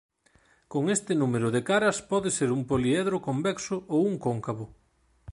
Con este número de caras pode ser un poliedro convexo ou un cóncavo.